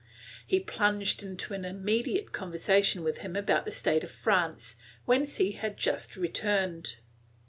He plunged into an immediate conversation with him about the state of France, whence he had just returned.